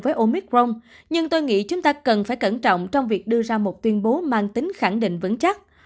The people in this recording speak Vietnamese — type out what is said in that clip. với omicron nhưng tôi nghĩ chúng ta cần phải cẩn trọng trong việc đưa ra một tuyên bố mang tính khẳng định vững chắc